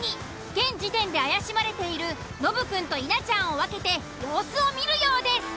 現時点で怪しまれているノブくんと稲ちゃんを分けて様子を見るようです。